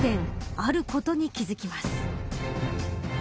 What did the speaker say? あることに気付きます。